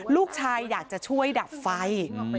ลูกชายอยากจะช่วยดับไฟ